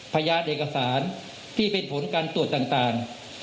พยานเอกสารที่เป็นผลการตรวจต่าง